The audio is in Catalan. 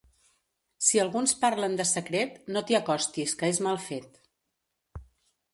Si alguns parlen de secret, no t'hi acostis que és mal fet.